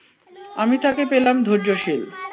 আমি তাকে পেলাম ধৈর্যশীল।